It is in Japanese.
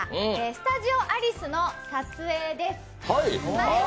スタジオアリスの撮影です。